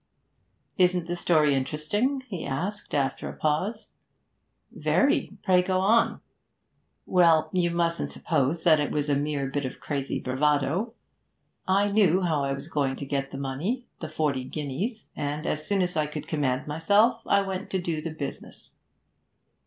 'Isn't the story interesting?' he asked, after a pause. 'Very. Pray go on.' 'Well, you mustn't suppose that it was a mere bit of crazy bravado. I knew how I was going to get the money the forty guineas. And as soon as I could command myself, I went to do the business.